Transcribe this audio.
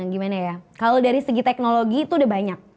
gimana ya kalau dari segi teknologi itu udah banyak